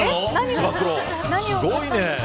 すごいね。